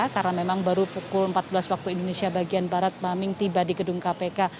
karena memang baru pukul empat belas waktu indonesia bagian barat maming tiba di gedung kpk